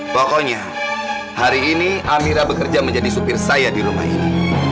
pokoknya hari ini amira bekerja menjadi supir saya di rumah ini